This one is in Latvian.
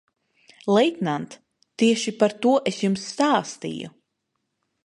Leitnant, tieši par to es jums stāstīju.